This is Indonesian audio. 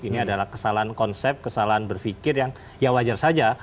ini adalah kesalahan konsep kesalahan berpikir yang ya wajar saja